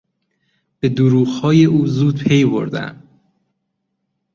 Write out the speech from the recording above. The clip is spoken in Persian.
به دروغهای او زود پی بردم.